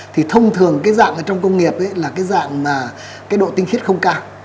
thì thông thường cái dạng ở trong công nghiệp là cái dạng mà cái độ tinh khiết không cao